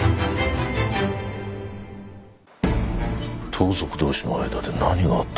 盗賊同士の間で何があったのだ？